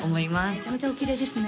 めちゃめちゃおきれいですね